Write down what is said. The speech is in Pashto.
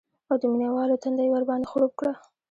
او د مینه والو تنده یې ورباندې خړوب کړه